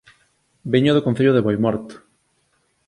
Veño do Concello de Boimorto